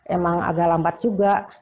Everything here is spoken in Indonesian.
emang agak lambat juga